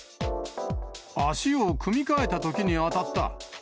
足を組み替えたときに当たった。